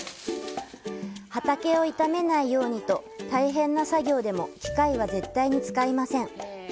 畑を傷めないようにと、大変な作業でも機械は絶対に使いません。